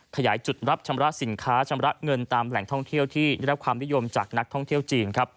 ขยายจุดรับชำระสินค้าชำระเงินตามแหล่งท่องเที่ยวที่ได้รับความนิยมจากนักท่องเที่ยวจีน